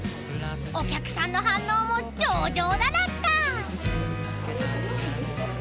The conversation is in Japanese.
お客さんの反応も上々だラッカ。